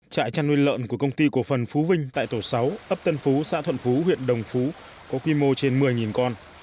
trại chăn nuôi lợn của công ty cổ phần phú vinh tại tổ sáu ấp tân phú xã thuận phú huyện đồng phú có quy mô trên một mươi con